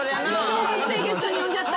小学生ゲストに呼んじゃった。